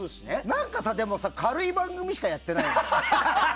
何かさ、軽い番組しかやってないよね。